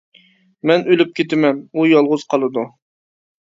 مەن ئۆلۈپ كېتىمەن، ئۇ يالغۇز قالىدۇ.